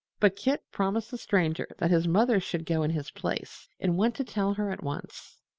But Kit promised the Stranger that his mother should go in his place, and went to tell her at once.